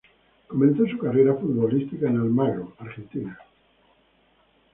Comenzó su carrera futbolística en Almagro, Argentina.